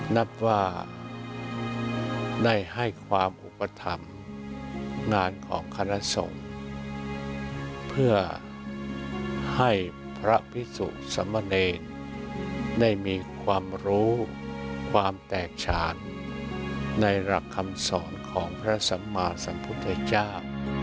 นับว่าได้ให้ความอุปถัมภ์งานของคณะสงฆ์เพื่อให้พระพิสุสมเนรได้มีความรู้ความแตกฉานในหลักคำสอนของพระสัมมาสัมพุทธเจ้า